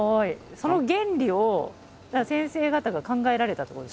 その原理を先生方が考えられたということですか？